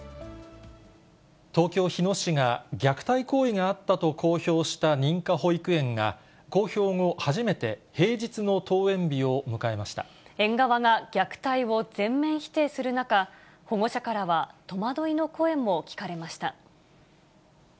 東京・日野市が、虐待行為があったと公表した認可保育園が、公表後、園側が虐待を全面否定する中、保護者からは戸惑いの声も聞かれました。